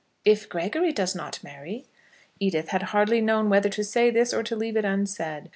"If Gregory does not marry." Edith had hardly known whether to say this or to leave it unsaid.